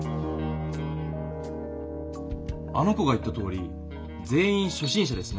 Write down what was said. あの子が言ったとおり全員しょ心者ですね。